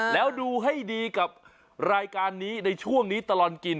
แล้วดูให้ดีกับรายการนี้ในช่วงนี้ตลอดกิน